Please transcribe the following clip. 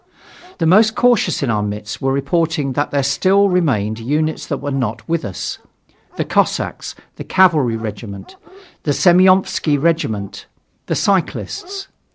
The most cautious in our midst were reporting that there still remained units that were not with us: the cossacks, the cavalry regiment, the Semyonofski regiment, the cyclists.